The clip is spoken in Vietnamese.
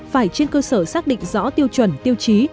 phải trên cơ sở xác định rõ tiêu chuẩn tiêu chí